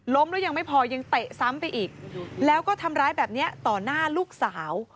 แล้วยังไม่พอยังเตะซ้ำไปอีกแล้วก็ทำร้ายแบบนี้ต่อหน้าลูกสาว